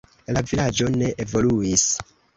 La vilaĝo ne evoluis.